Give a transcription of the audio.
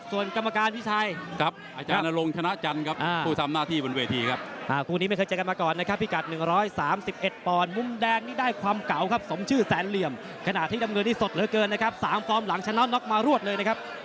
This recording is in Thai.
ส่วนกรรมการพี่ชัยครับอาจารย์นโลงขณะจันครับ